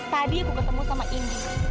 tadi aku ketemu sama indi